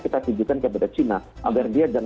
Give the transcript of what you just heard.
kita tujukan kepada china agar dia